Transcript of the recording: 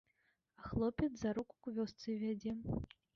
А хлопец за руку к вёсцы вядзе.